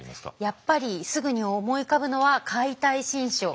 やっぱりすぐに思い浮かぶのは「解体新書」。